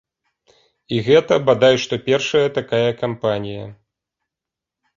І гэта бадай што першая такая кампанія.